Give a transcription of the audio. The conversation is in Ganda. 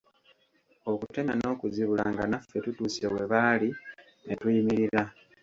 Okutemya n'okuzibula nga naffe tutuuse we baali, ne tuyimirira.